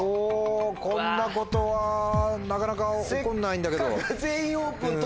こんなことはなかなか起こんないんだけど。